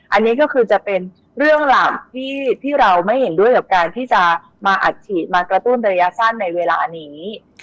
อันนี้ก็คือจะเป็นเรื่องหลักที่เราไม่เห็นด้วยกับการที่จะมาอัดฉีดมากระตุ้นระยะสั้นในเวลานี้